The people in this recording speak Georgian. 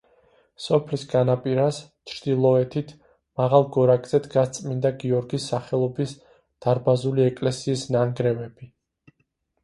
სოფლის განაპირას, ჩრდილოეთით, მაღალ გორაკზე დგას წმინდა გიორგის სახელობის დარბაზული ეკლესიის ნანგრევები.